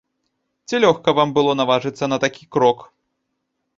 Ці лёгка вам было наважыцца на такі крок?